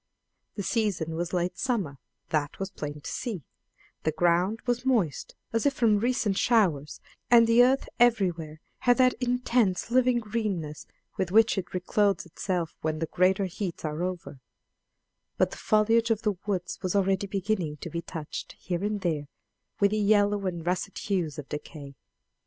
The season was late summer that was plain to see; the ground was moist, as if from recent showers, and the earth everywhere had that intense living greenness with which it reclothes itself when the greater heats are over; but the foliage of the woods was already beginning to be touched here and there with the yellow and russet hues of decay.